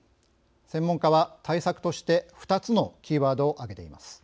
専門家は対策として２つのキーワードを挙げています。